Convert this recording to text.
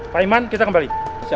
pak ahmad kita kembali